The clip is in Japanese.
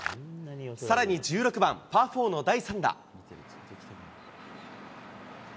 さらに１６番パー４の第３打。